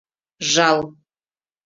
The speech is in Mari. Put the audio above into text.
Жал!